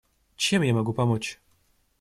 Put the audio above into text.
Чем могу помочь?